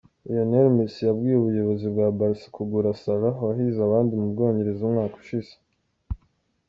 Lionel messi yabwiye ubuyobozi bwa Barca kugura Salah wahize abandi mu Bwongereza umwaka ushize.